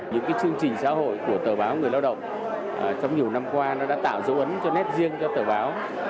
những chương trình xã hội của tờ báo người lao động trong nhiều năm qua nó đã tạo dấu ấn cho nét riêng cho tờ báo